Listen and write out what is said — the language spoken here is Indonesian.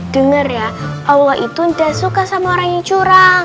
dengar ya allah itu tidak suka sama orang yang curang